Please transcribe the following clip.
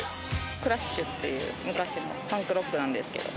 クラッシュっていう、昔のパンクロックなんですけど。